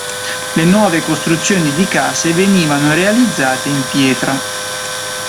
Le nuove costruzioni di case venivano realizzate in pietra.